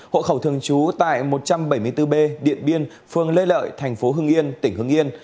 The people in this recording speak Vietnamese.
hộ khẩu thường trú tại một trăm bảy mươi bốn b điện biên phường lê lợi thành phố hưng yên tỉnh hưng yên